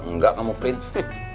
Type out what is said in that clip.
enggak kamu prince